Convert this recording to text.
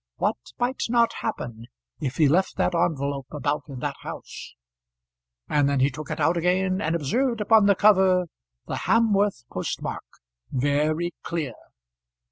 What might not happen if he left that envelope about in that house? And then he took it out again, and observed upon the cover the Hamworth post mark, very clear.